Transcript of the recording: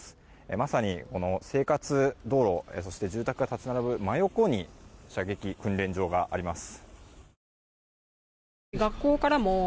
まさに生活道路そして住宅が立ち並ぶ真横に射撃訓練場があります。